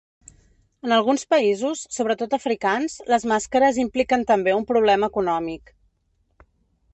En alguns països, sobretot africans, les màscares impliquen també un problema econòmic.